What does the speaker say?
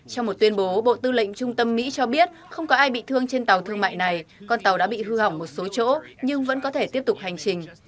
trong một tuyên bố bộ tư lệnh trung tâm mỹ cho biết không có ai bị thương trên tàu thương mại này con tàu đã bị hư hỏng một số chỗ nhưng vẫn có thể tiếp tục hành trình